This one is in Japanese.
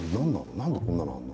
何でこんなのあんの？